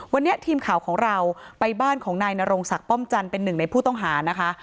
วันนี้ทีมข่าวของเราไปบ้านของนายนรงศักดิ์ป้อมจันทร์เป็นหนึ่งในผู้ต้องหานะคะ